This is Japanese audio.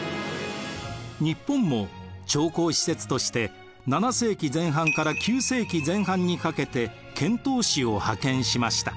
日本も朝貢使節として７世紀前半から９世紀前半にかけて遣唐使を派遣しました。